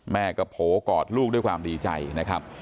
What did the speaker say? แม่ก็โผล่กอดลูกด้วยความดีใจนะครับ